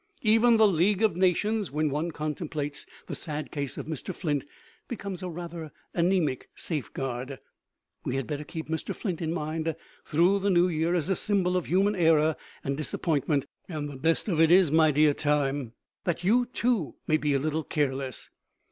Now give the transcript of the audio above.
Even the League of Nations, when one contemplates the sad case of Mr. Flint, becomes a rather anemic safeguard. We had better keep Mr. Flint in mind through the New Year as a symbol of human error and disappointment. And the best of it is, my dear Time, that you, too, may be a little careless.